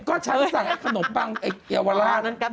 ก็ฉันสั่งไอ่ยาววาลาธ